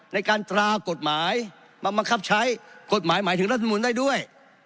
ในการตรากฎหมายบังคับใช้กฎหมายหมายถึงรัฐมนุนได้ด้วย